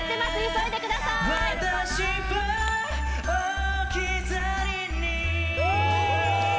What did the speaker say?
急いでください・フー！